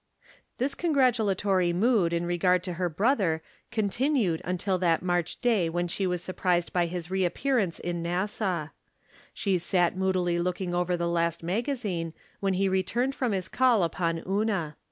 This congratulatory mood in regard to her brother continued until that March day when she was surprised by his reappearance in Nassau. She sat moodily looking over the last magazine when he returned from his call upon Una.